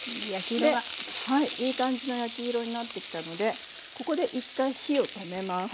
いい感じの焼き色になってきたのでここで一回火を止めます。